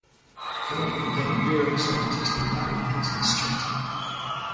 Philippa became a neuroscientist and married Antony Stretton.